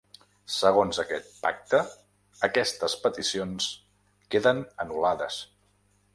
Segons aquest pacte, aquestes peticions queden anul·lades.